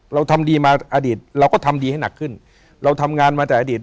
เราทำดีมาอดีตเราก็ทำดีให้หนักขึ้นเราทำงานมาแต่อดีต